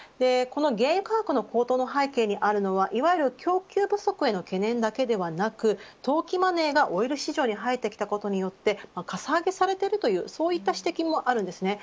この原油価格の高騰の背景にあるのは、いわゆる供給不足への懸念だけではなく投機マネーがオイル市場に入ってきたことによってかさ上げされているというそういった指摘もあります。